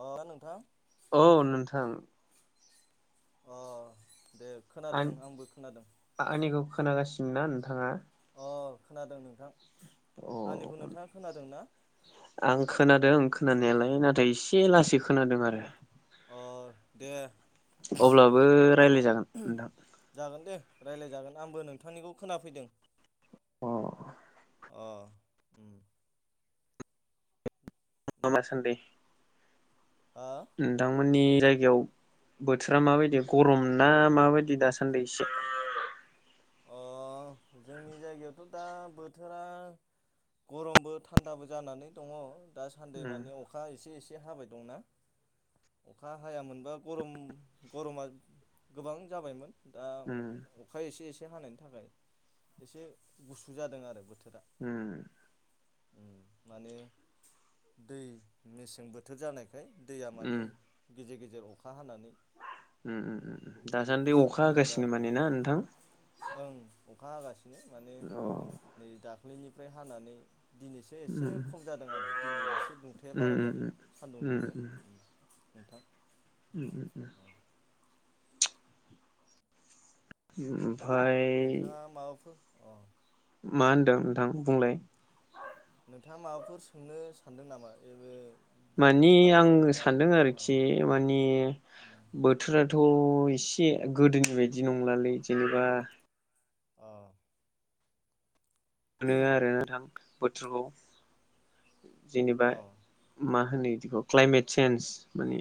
अ नोंथां औ नोंथां अ दे खोनादों आंबो खोनादों आं-आंनिखौ खोनागासिनो नों थाङा? अ खोनादों नों अ ना आं खोनादों खोनानायालाय नाथाय इसे लासै खोनादों आरो। अ दे अब्लाबो रायलाय जागोन नोंथां। जागोन दे रायलायजागोन, आंबो नोंथांनिखौ खोनाफैदों। अ अ उम [unintelligible] हा नोंथांमोननि जायगायाव बोथोरा माबायदि गरम ना माबायदि दासान्दै एसे? अ जोंनि जायगायावथ' दा बोथोरा गरमबो थान्दाबो जानानै दङ। दा सान्दै उम मानि अखा एसे एसे हाबाय दंना अखा हाया मोनबा गरम गरमा गोबां जाबायमोन। दा उम अ-अखा एसे ए से हानायनि थाखाय एसे गुसु जादों आरो बोथो‌ उम उम माने दै मेसें बोथोर जानाय दैया माने गेजेर गेजे जेर अखा हानानै उम उम उम बिदि दासान्दि गुसु अखा थान्दा होगासिनो जादों माने आरो ना नोंथां। ओं अखा हागासिनो बिनो माने अ नै दा फुंनिफ्राय हानानै दिनैसो एसे उम खम जादों आरो दिनै एसे दुंथाया बारा उम उम जादों सानदुं उम दुंदों नोंथां उम उम उम उम नोंथाङा माबाफोर अ मा होनदों नोंथां बुंलाय नोंथाङा माबाफोर सोंनो सानदों नामा बेबो माने आं सानदों आरोखि माने बोथोराथ' थ' एसे गोदोनि बायदि नंलालै जेनेबा अह मोनो आरो नोंथां बोथोरखौ जेनेबा अ मा होनो बिखौ क्लाइमेट चेन्ज मानि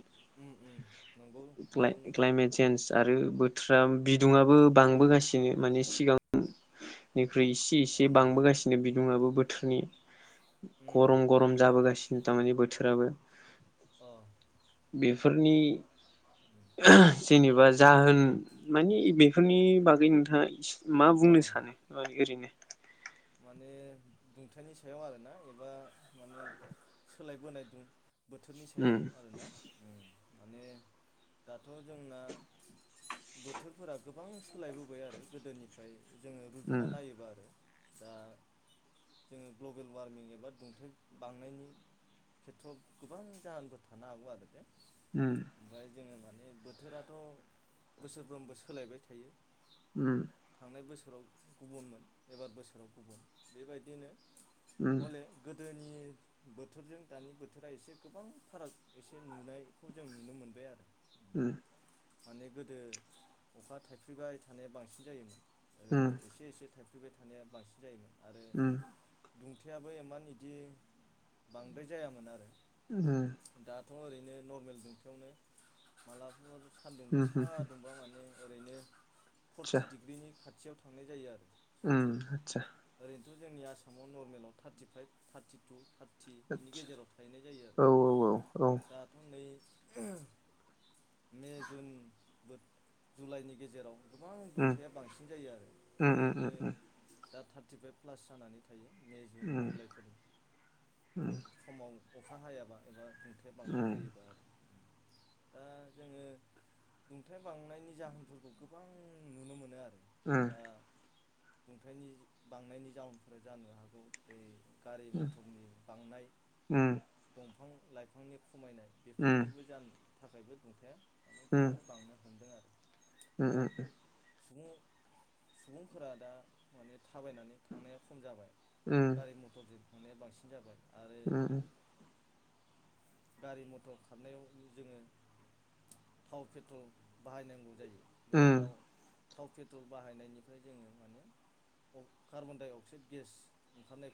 नंगौ नंगौ नोंथां क्लाइमेट चेन्ज आरो बोथ बाथ्रा बिदुङाबो बांबोगासिनो माने सिगांनिख्रुइ इसे इसे एसे ओं बांबोगासिनो बिदुङाबो बोथोरनि उम गरम गरम नंगौ जाबोगासिनो दा मानि बोथोराबो अह बेफोरनि जेनेबा जाहोन मानि बेफोरनि बागै नोंथाङा मा अ बुंनो सानो ओरैनो। माने दुंथाइनि सायाव आरोना एबा माने सोलायबोनाय दुं बोथोरनि उम सायाव आरोना उम। माने दाथ' जोंना बोथोरफोरा गोबां सोलायबोबाय आरो गोदोनिफ्राय। जोङो रुजुना आतसा नायोबा आरो दा जोङो ग्ल'बेल वार्मिं एबा दुंथाय बांनायनि खेथ्रआव गोबां जाहोनबो थानो हागौ आरो उम ओमफ्राय जोङो माने बोथोराथ' बोसोरफ्रोमबो सोलायबाय थायो। उम थांनाय बोसोराव गुबुनमोन एबार बोसोर बेबायदिनो हले। गोदोनि बोथोरजों दानि बोथोरा एसे गोबां फाराग एसे नुनायखौ जों नुनो मोनबाय आरो। ओम। माने गोदो अखा थाइफ्लैबाय थानाया बांसिन जायोमोन। ओरैनो एसे एसे। थाइफ्रिबाय थानाया। बांसिन जायोमोन। ओम। दुंथायेाबो इमान इदि बांद्राय जायामोन आरो। ओम। दाथ' ओरैनो नरमेल दुंथायावनो मालाबा। सान्दुं गोसा दुंबा माने। ओरैनो फर्टि डिग्रिनि। खाथियाव थांनाय जायो आरो। उम आतसा। बे थ जोंनि आसामाव नरमेलाव थार्टिफाइभ थार्टि टु फरथि बिनि आतसा गेजेराव थाहैनाय जायो औ आरो औ दाथ नै। मे जुन जुलाइनि गेजेराव गोबां दुंथाया बांसिन जायो आरो ओरैनो। दा थार्टिफाइभ प्लास जानानै थायो। मे जुन जुलाइफोरजों समाव। अखा हायाबा एबा। दुंथाया बांद्राय जायोबा आरो। दा जोङो दुंथाय बांनायनि जाहोनफोरखौ गोबां नुनो मोनो आरो। ओम। दा दुंथायनि बांनायनि जाउनफोरा जानो हागौ दै गारि मथरनि बांनाय दं बिफां लाइफांनि खमायनाय बेफोरनिबो जा थाखायबो दंथाइ आ। माने गोबां बांनो हमदों आरो। ओम दा ओम। सुबुं सुबुंफोरा दा। माने थाबायनानै थांनाया खम जाबाय। गारि मटर जों [inaudible] थांनाया बांसिन जाबाय। [inaudible] उम गारि मथर खारनायाव जोङो थाव पेट्रल बाहायनांगौ जायो। [inaudible] बे दाउ थाव पेट्रल बाहायनायनिफ्राय जोङो माने कार्बनडाइ अक्साइड गेस ओंखारनाय- [inaudible]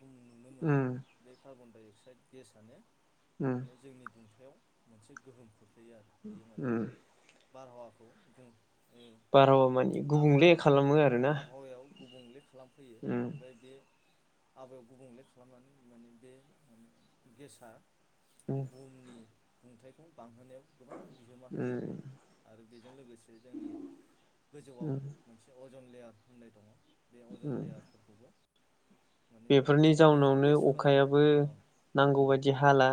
उम डाइ अक्साइड गेसानो माने जोंनि दुं- मोनसे गोहोम खो [inaudible] लै आरो बियो माने बारहावाखौ गुदुं बारहावा मानि गुबुंले खालामो आरोना गुबुंलेखा- लामफैयो उम ओमफ्राय बे आबहावायाव गुबुंले खालामनानै माने बे माने गेसआ उम [inaudible] बुहुमनि दुंथायाइखौ बांहोनायाव गोबां बिहोमा होयो आरो आरो बेजों लोगोसे जोंनि गोजौआव उम मोनसे अ- अजन लेयार होननाय दङ। बे अजन उम लेयारफोरखौबो माने बेफोरनि बेफोर जाउनावनो गेसफोरानो अखायाबो अ उम नांगौबायदि हाला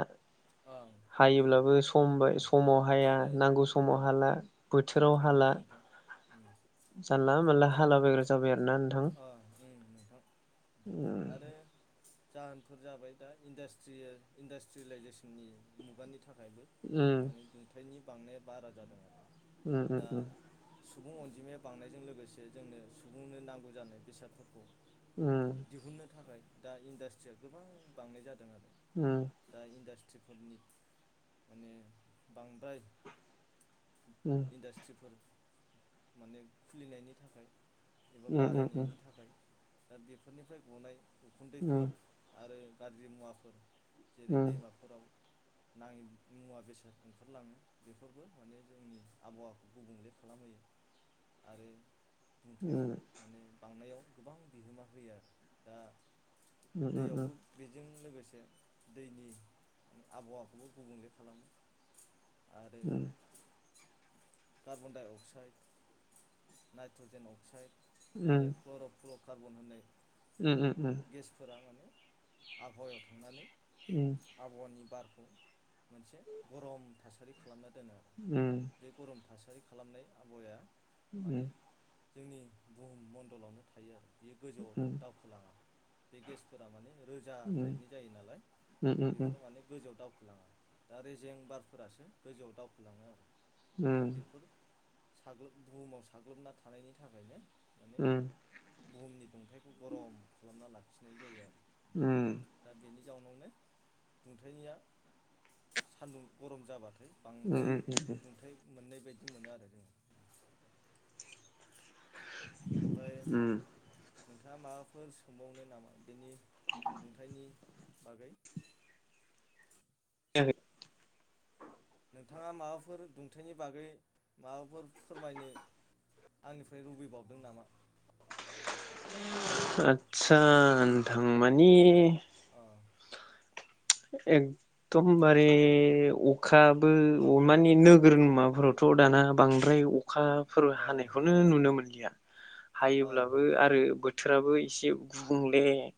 ओं उम उम हायोब्लाबो सम बाइ उम समाव हाया आरो नांगौ उम समाव हाला बोथोराव नंगौ हाला नोंथां उम जानला मानला हाला बाइग्रा जाबाय आरो ना नोंथां ओ उम नोंथां आरो [inaudible] जाहोनफोर जाबाय दा इन्डास्ट्रियेल-इन्डास्ट्रियेलाइजेसननि मुगानि था- थाखायबो माने दुंथाइनि [inaudible] बांनाया बारा जादों आरो उम उम दा उम सुबुं अनजिमाया बांनायजों लोगोसे जोंनो सुबुंनो नांगौ जानाय बेसादफोरखौ उम दिहुननो थाखाय दा इन्डास्ट्रिया गोबां बांनाय जा दों आरो। उम दा इन्डास ट्रिफोरनि माने बांद्राय उम इन्डास्ट्रिफोर माने खुलिनायनि थाखाय उम उम बारायनायनि थाखाय दा बेफोरनिफ्राय गनाय उखुन्दैफोर आरो गाज्रि मुवाफोर जेरै दैमाफोराव नाङै मुवा बेसाद ओंखारलाङो बेफोरबो माने जोंनि आबहावाखौ गुबुंले खालामहोयो। आरो दुंथायाव उम। माने बांनायाव गोबां बिहोमा होयो आरो। दा दैयावबो बेजों लोगो लोगोसे दैनि आबहावाखौबो गुबुंले खालामो। उम। कार्बनडाइ अक्साइड, नाइट्रजेन अक्साइड आरो क्लर' कार्बन होननाय उम गेसफोरा माने आबहावायाव थांनानै आबहावानि बार खौ मोनसे गरम थासारि खालामना दो उम। गरम थासारि खालामनाय आबहावाया उम। माने जोंनि बुहुम मण्डलावनो थायो। बियो गोजौआव दावखोलाङा। बिगेसपुरा माने रोजा टाइपनि जायो नालाय बेफोर माने गोजौ दाव दा रेजें बारफोरासो गोजौआव दावखोलाङो आरो। दा बेफोर साग्लोब बुहुमाव साग्लोबना थानायनि थाखायनो माने बुहुमनि दुंथाइखौ गरम खालामना ला खिनाय जायो आरो उम। दा बेनि जाउनावनो दुंथायनिया सान्दुं गरम जाबाथ उम उम उम-उम मोननाय बायदि मोनो आरो जोङो ओमफाय उम नोंथाङा माबाफोर सोंबावनो नामा बेनि दुंथाइनि बागै खोनायाखै नोंथाङा माबाफोर दुंथाइनि बागै माबाफोर फोरमायनो आंनिफ्राय लुबैबावदों नामा आतसा नोंथां मानि अ अ एकदमबारे अखाबो अ माने नोगोर माबाफोरावथ' दाना बांद्राय अ खाफोर अ हानायखौनो नुनो मोनलिया अ हायोब्लाबो आरो बोथ बोथोराबो एसे गु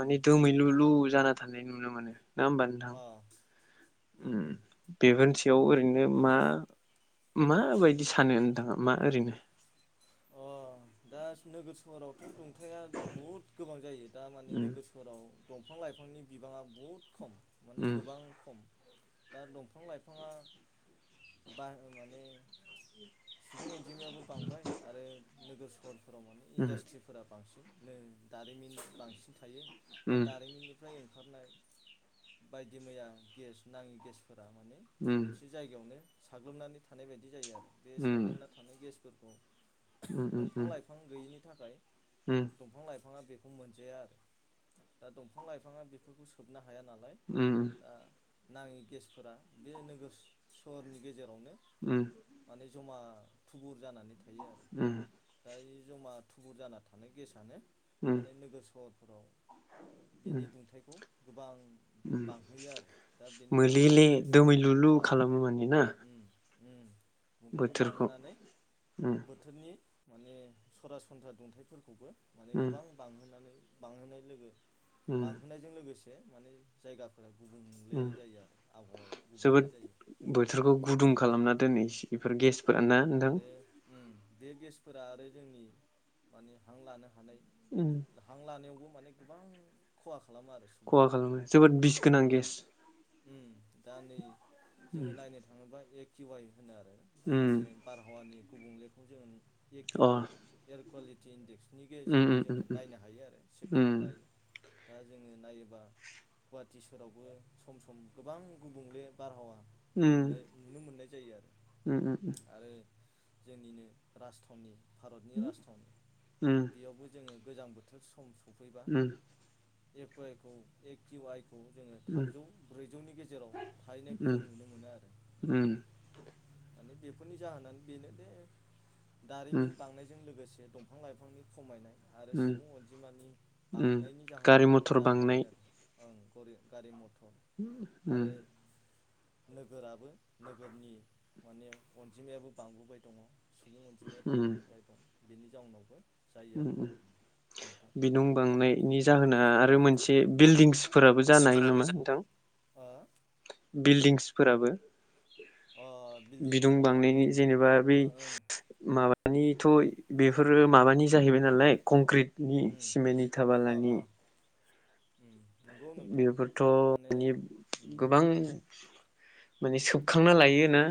[unintelligible] माने दोमैलुलु जाना साननाय नुनो मोनो नङा होनबा नोंथां अ उम बेफोरनोस इयाव ओरैनो मा उम माबायदि सानो न नोंथाङा मा ओरैनो अह दा नोगोर सोहोरावथ' दं थाया थ' बुहुद गोबां जायो दा माने उम नोगोर सहराव दंफां लाइफांनि बिबाङा बहुद खम माने उम गोबां खम दा दंफां लाइफाङा बार माने सुबुं अनजिमायाबो बांबाय आरो नोगोर स हरफोराव माने इन्डासट्रिफोरा बांसिन नो दारिमिन बांसिन थायो दा उम उम दारिमिननिफ्राय ओंख खारनाय बायदि मैया गेस नाङि गेसफ फोरा माने मोनसे जायगायावनो साग्लोबनानै थानाय बायदि जायो आरो बे उम साग्लोबना थानाय गेस [inaudible] उम दंफां लाइफां गैयिनि नि थाखाय दंफां लाय नोंथाङा बेखौ मोनजाया आरो दा दंफां लाइफाङा बेफोरखौ सोबनो हायो हाया नालाय उम दा नाङि गेसफोरा बे नोगोर सहरनि गेजेराव ओम जमा थुबुर जानानै आरो दायो जमा थुबुर जाना थानायानो गेसनो उम माने नोगोर सहर फोराव उम बिनि दुंथायाइखौ गोबां बांहोयो आरो दा बेनि थाखायनो मोलेले दोमै लुलु अ खालामो माने ना उम उम उम बोथोरखौ ओम नि माने सरासनस्रा दुंथाइफोरखौबो माने उम गोबां बांहोनानै बांहोनाय लोगो उम बांहोननायजों लोगोसे माने जायगाफोरा गुबुंले जायो आरो आबहावाया गुबुंले जोबोद जायो बोथोरखौ गुदुं उम खालामना दोनहैसै बेफोर अ गेसफोर ना नोंथां आरो उम बे गेसफोरा आरो जोंनि माने हां लानो हानाय उम हां लानायावबो माने गोबां खहा खालामो आरो खहा सुबुंखौ खालामो जोबोद बिस गोनां ओम गेस ओम दा नै जोङो नायनो थाङोब्ला एक किवाइ होनो आरो उम माने बार हावानि गुबुंलेखौ जों अ एखिवाय एर कवालिटि [unintelligible] उम बिनिजोहै उम जोङो नायनो हायो आरो सेक उम खालामनो हायो दा जोङो नायोबा गुवाहाटि सोहरावबो सम सम गोबां गुबुंले बारहावा उम खौ नुनाय नुनो मोननाय जायो आरो उम उम उम आरो जोंनिनो राजथावनि भारतनि राजथावनि बेयावबो जोङो गोजां बोथोर सम स उम [unintelligible] जोङो थामजौ ब्रैजौनि गेजेराव थाहैनायखौ जों नुनो मोनो आरो उम माने बेफोरनि जाहोनानो बेनो दे उम दारिमिन बांनायजों लोगोसे ए दंफां लाइफांनि खमायनाय आरो उम सुबुं अनजिमानि उम बांनायनि गारि जाहोनावबो मथर जानो बांनाय हायो आरो ओं गरि गारि मथर उम आरो नोगोराबो नोगोरनि माने अनजिमायाबो बांबोबाय दङ सुबुं अनजिमाया उम बांबोबाय दं बेनि जाउनावबो जायो आरो उम नोंथां बिदुं बांनायनि जाहोना आरो उम मोनसे बिल्डिंस फोराबो जानो हायो नामा नोंथां हो बिल्डिंसफोराबो अ बिदुं बिल्डिंसखौना बांनायनि उम जेनेबा बै ओं ओं माबानि थ' बे बेफोरो माबानि जाहैबाय नालाय कंक्रिटनि उम सिमेन्टनि इथा अ अ बालानि उम नंगौ नोंथां बेफोरथ' माने नि उम गोबां माने सोब बखांना उम लायोना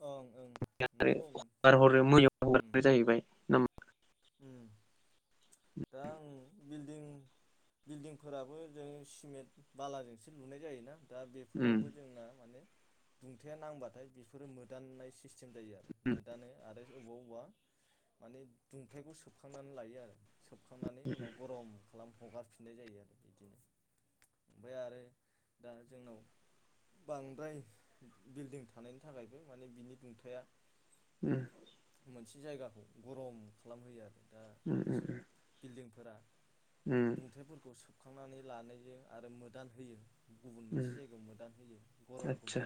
ओं ओं आरो नंगौ हगार नोंथां हरो मैयाव उम हगारो जाहैबाय नामा [inaudible] [inaudible] [inaudible] उम [inaudible] [inaudible] [inaudible] [inaudible] [inaudible] [inaudible] उ मोनसे जायगाखौ गरम [inaudible] [inaudible] [inaudible] [inaudible] उम उम उम खुंखांनानै लानायजों आरो मोदान होयो उम आदसा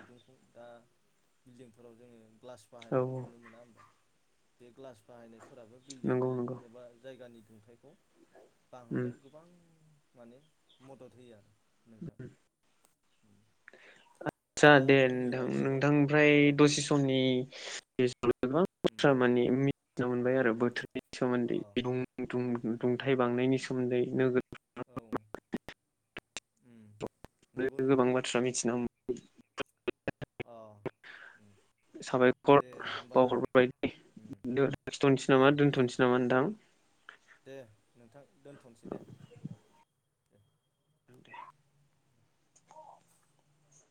[inaudible] [inaudible] ग्लास औ बाहायनायखौ नुनो मोना होमबा बे ग्लास बाहायनायफोराबो [inaudible] [inaudible] नंगौ नंगौ उम बांहोनायाव गोबां [inaudible] आतसा दा दे जोंनि नोंथां रायलायनाया नोंथांनिफ्राय अ दसे समनि [unintelligible] उम नुनो मोनबाय आरो बोथोर नि सोमोन्दै अ दुं दुं उम दुंथाय बांनायनि सोमोन्दै सोमोन्दै नोगोर [inaudible] [inaudible] नंगौ आरो गोबां नोंथां बाथ्रा मिथिना ह [unintelligible] अ उम [unintelligible] साबायखर दे होमबा ना बावहरबाय उम दोनथ'नोसै दे नामा दोनथ'नोसै गोजोन्थों नामा नोंथां दे नोंथां दोनथ'नोसै दे उम दे। [inaudible]